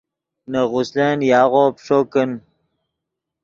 نے غسلن یاغو پیݯو کن